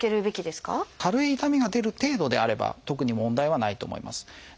軽い痛みが出る程度であれば特に問題はないと思います。